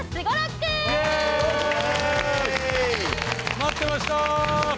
待ってました